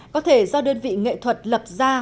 có thể do đơn vị nghệ thuật lập ra